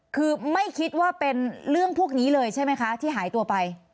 คือไม่คิดว่าเป็นเรื่องพวกนี้เลยใช่ไหมคะที่หายตัวไป